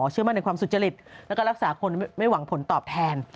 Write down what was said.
เชื่อมั่นในความสุจริตแล้วก็รักษาคนไม่หวังผลตอบแทน